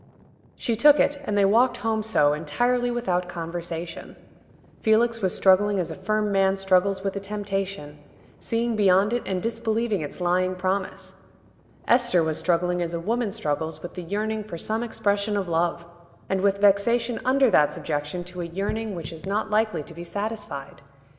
She took it, and they walked home so, entirely without conversation. Felix was struggling as a firm man struggles with a temptation, seeing beyond it and disbelieving its lying promise. Esther was struggling as a woman struggles with the yearning for some expression of love, and with vexation under that subjection to a yearning which is not likely to be satisfied.